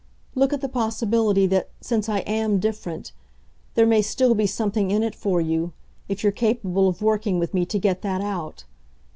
Look at the possibility that, since I AM different, there may still be something in it for you if you're capable of working with me to get that out.